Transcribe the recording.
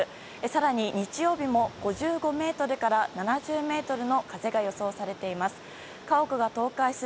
更に、日曜日も５５メートルから７０メートルの風が予想されています。